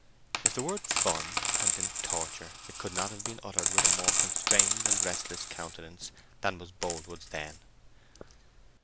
If the word "fun" had been "torture," it could not have been uttered with a more constrained and restless countenance than was Boldwood's then.